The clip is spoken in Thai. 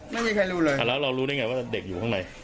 ไม่มีใครรู้เลยอ่าแล้วเรารู้ได้ไงว่าเด็กอยู่ข้างใน